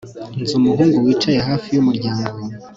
Nzi umuhungu wicaye hafi yumuryango